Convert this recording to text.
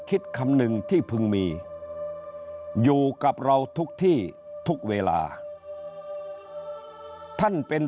คิดคำนึงที่พึงมีอยู่กับเราทุกที่ทุกเวลาท่านเป็น